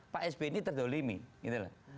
pak sbi ini terdolimi